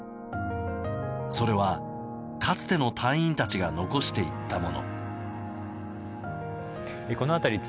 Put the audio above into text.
それは、かつての隊員たちが残していったもの。